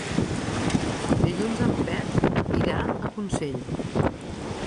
Dilluns en Pep irà a Consell.